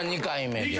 ２回目？